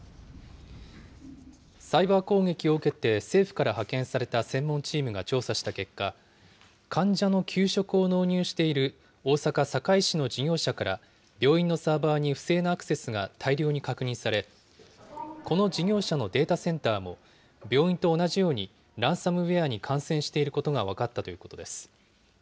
サイバー攻撃を受けて政府から派遣された専門チームが調査した結果、患者の給食を納入している大阪・堺市の事業者から、病院のサーバーに不正なアクセスが大量に確認され、この事業者のデータセンターも、病院と同じようにランサムウエアに感染していることが分かったということです。